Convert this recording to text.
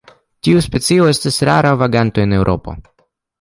Tiu specio estas rara vaganto en Eŭropo.